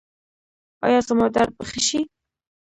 ایا زما درد به ښه شي؟